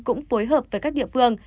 cũng phối hợp với các địa phương